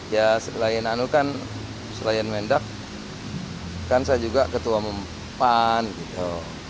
ya selain anu kan selain mendak kan saya juga ketua pan gitu